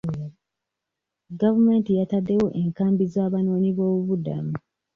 Gavumenti yataddewo enkambi z'abanoonyiboobubudamu.